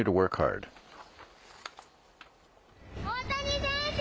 大谷選手！